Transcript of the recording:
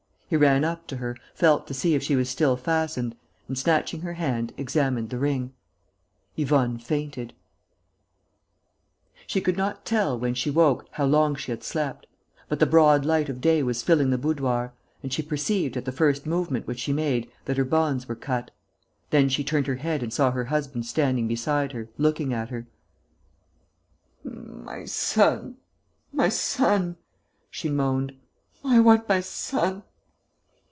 He ran up to her, felt to see if she was still fastened and, snatching her hand, examined the ring. Yvonne fainted.... She could not tell, when she woke, how long she had slept. But the broad light of day was filling the boudoir; and she perceived, at the first movement which she made, that her bonds were cut. Then she turned her head and saw her husband standing beside her, looking at her: "My son ... my son ..." she moaned. "I want my son...."